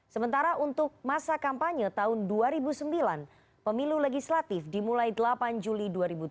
sementara untuk masa kampanye tahun dua ribu sembilan pemilu legislatif dimulai delapan juli dua ribu tujuh belas